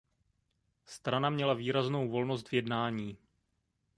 Strana měla výraznou volnost v jednání.